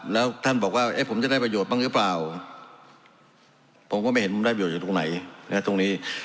แล้วท่านบอกว่าผมจะได้ประโยชน์บ้างหรือเปล่าผมก็ไม่เห็นผมได้ประโยชน์ตรงไหนตรงนี้